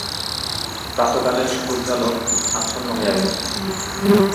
প্রাতঃকালের সূর্যালোক আচ্ছন্ন হইয়া গেছে।